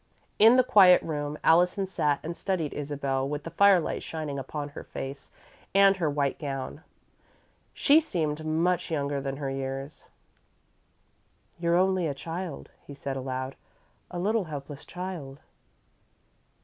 In the quiet room, Allison sat and studied Isabel, with the firelight shining upon her face and her white gown. She seemed much younger than her years. "You're only a child," he said, aloud; "a little, helpless child."